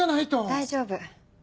大丈夫。